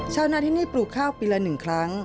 ชาวนาทินี่ปลูกข้าวปีละหนึ่งครั้ง